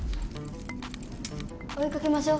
おいかけましょう！